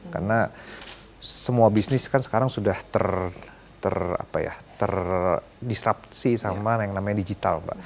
karena semua bisnis kan sekarang sudah ter ter apa ya ter ter disrupsi sama yang namanya digital